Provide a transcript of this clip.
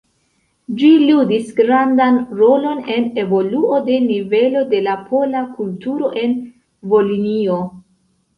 Ĝi ludis grandan rolon en evoluo de nivelo de la pola kulturo en Volinio.